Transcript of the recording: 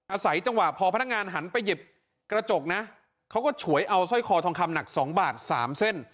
อาศัยจังหวะพอพนักงานหันไปหยิบกระจกนะเขาก็ฉวยเอาสร้อยคอทองคำหนัก๒บาท๓เส้น